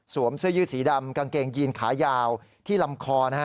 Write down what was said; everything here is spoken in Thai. เสื้อยืดสีดำกางเกงยีนขายาวที่ลำคอนะฮะ